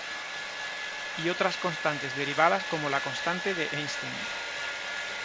Y otras constantes derivadas como la constante de Einstein.